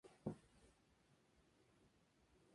Ambas están al oeste de Amsterdam.